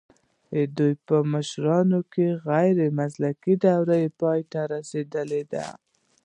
د ده په مشرۍ کې غیر مسلکي دوره پای ته رسیدلې ده